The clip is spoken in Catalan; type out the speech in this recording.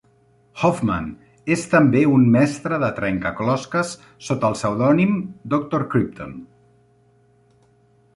Hoffman és també un mestre de trencaclosques sota el pseudònim Doctor Crypton.